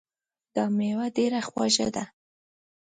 دا میوه ډېره خوږه ده